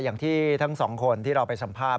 อย่างที่ทั้งสองคนที่เราไปสัมภาษณ